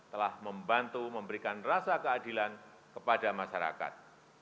telah membantu memberikan rasa keadilan kepada masyarakat